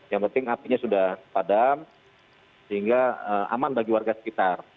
yang penting apinya sudah padam sehingga aman bagi warga sekitar